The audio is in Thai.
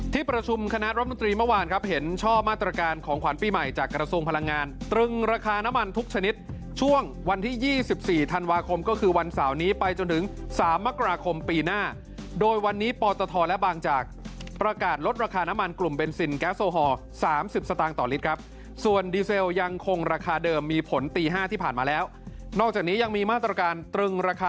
ที่ประชุมคณะรับดนตรีเมื่อวานครับเห็นช่อมาตรการของขวานปีใหม่จากกระทรวงพลังงานตรึงราคาน้ำมันทุกชนิดช่วงวันที่๒๔ธันวาคมก็คือวันเสาร์นี้ไปจนถึง๓มกราคมปีหน้าโดยวันนี้ปลอดธรรมและบางจากประกาศลดราคาน้ำมันกลุ่มเบนซินแก๊สโซฮอล์๓๐สตางค์ต่อลิตรครับส่วนดีเซลยัง